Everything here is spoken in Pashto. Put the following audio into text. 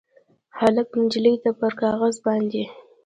هلک نجلۍ ته پر کاغذ باندې